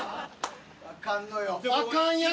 あかんのよ。